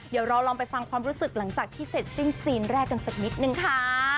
เดี๋ยวเราลองไปฟังความรู้สึกหลังจากที่เสร็จสิ้นซีนแรกกันสักนิดนึงค่ะ